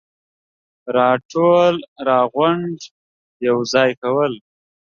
راټول ، راغونډ ، يوځاي کول,